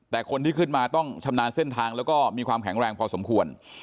แต่คนที่ขึ้นมาต้องชำนาญเส้นทางแล้วก็มีความแข็งแรงพอสมควร